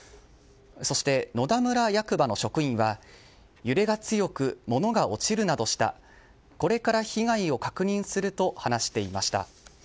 そして野田村役場の職員は揺れが強く物が落ちるなどしたこれから被害を確認すると話していました。